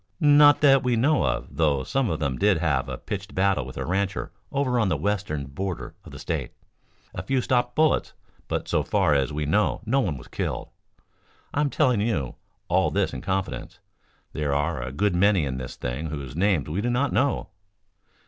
"Not that we know of, though some of them did have a pitched battle with a rancher over on the western border of the state. A few stopped bullets, but so far as we know no one was killed. I am telling you all this in confidence. There are a good many in this thing whose names we do not know."